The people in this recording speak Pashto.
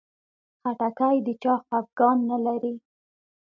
خټکی د چا خفګان نه لري.